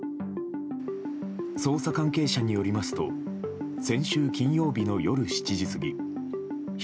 捜査関係者によりますと先週金曜日の夜７時過ぎ弘